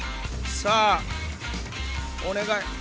さあお願い。